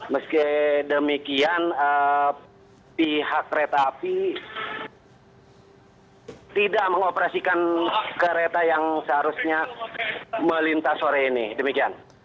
meski demikian pihak kereta api tidak mengoperasikan kereta yang seharusnya melintas sore ini demikian